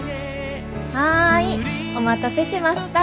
はいお待たせしました。